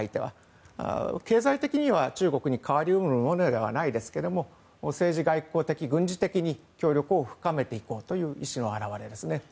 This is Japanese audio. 経済的には中国に代わり得るものではないですが政治外交的、軍事的に協力を深めていこうという意思の表れですね。